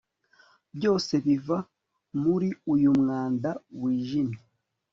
byose biva muri uyu mwanda wijimye